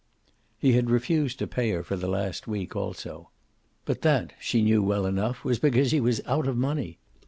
He had refused to pay her for the last week, also. But that she knew well enough was because he was out of money.